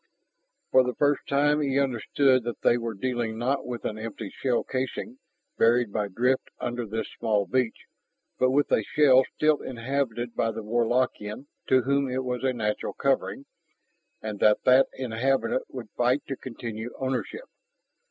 For the first time he understood that they were dealing not with an empty shell casing buried by drift under this small beach, but with a shell still inhabited by the Warlockian to whom it was a natural covering, and that that inhabitant would fight to continue ownership.